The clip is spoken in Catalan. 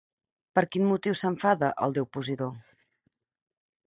Per quin motiu s'enfada el déu Posidó?